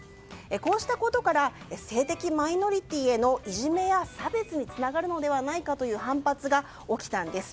こうしたことから性的マイノリティーへのいじめや差別につながるのではないかという反発が起きたんです。